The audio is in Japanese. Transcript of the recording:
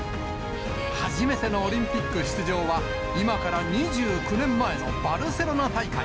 初めてのオリンピック出場は、今から２９年前のバルセロナ大会。